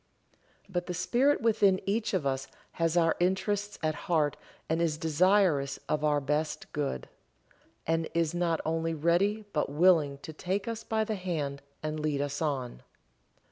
But the Spirit within each of us has our interests at heart and is desirous of our best good, and is not only ready but willing to take us by the hand and lead us on.